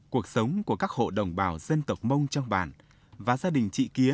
cuộc sống của các hộ đồng bào dân tộc mông trong bản